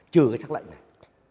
trừ cái sắc lệnh này